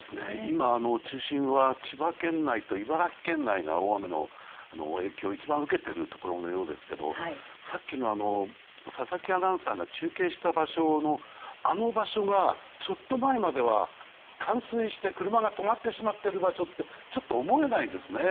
今、中心は千葉県内と茨城県内が大雨の影響を一番受けているところのようですけどさっきの佐々木アナウンサーが中継した場所のあの場所がちょっと前までは冠水して車が止まってしまっている場所とはちょっと思えないですね。